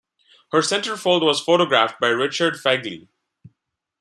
Her centerfold was photographed by Richard Fegley.